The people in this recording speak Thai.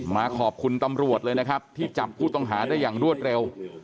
มาขอบคุณตำรวจเลยนะครับที่จับผู้ต้องหาได้อย่างรวดเร็ว